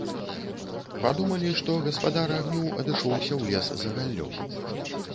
Падумалі, што гаспадар агню адышоўся ў лес за галлём.